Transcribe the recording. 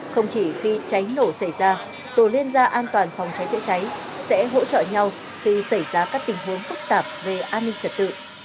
không chỉ khi cháy nổ xảy ra tổ liên gia an toàn phòng cháy chữa cháy sẽ hỗ trợ nhau khi xảy ra các tình huống phức tạp về an ninh trật tự